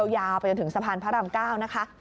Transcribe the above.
ยาวไปจนถึงสะพานพระราม๙นะคะ